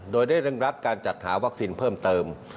โดยได้เร่งรัดการจัดหาวัคซีนเพิ่มเติม